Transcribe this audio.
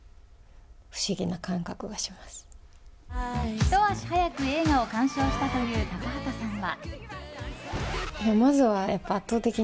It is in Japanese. ひと足早く映画を鑑賞したという高畑さんは。